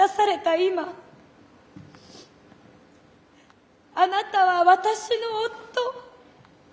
いまあなたは私の夫。